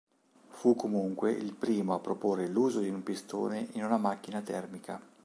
Fu comunque il primo a proporre l'uso di un pistone in una macchina termica.